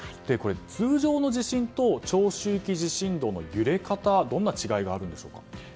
通常の地震と長周期地震動の揺れ方はどんな違いがあるんですか。